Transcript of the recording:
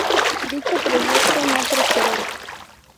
Dicho proyecto no prosperó.